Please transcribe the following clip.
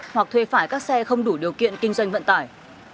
hoặc thuê phải các xe không đủ điều kiện kinh doanh vận tải